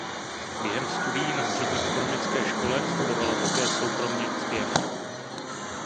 Během studií na střední ekonomické škole studovala také soukromě zpěv.